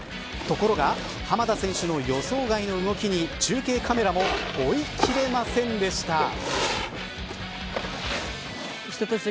ところが濱田選手の予想外の動きに中継カメラも追いきれませんでした。